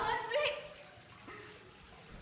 anda bisa menemukan uang koin yang berjaya